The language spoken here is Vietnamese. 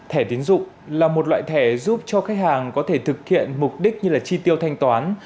thẻ tiến dụng là một loại thẻ giúp cho khách hàng có thể thực hiện mục đích như chi tiêu thanh toán